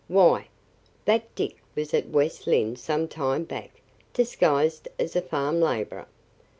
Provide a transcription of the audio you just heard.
'Why, that Dick was at West Lynne some time back, disguised as a farm laborer.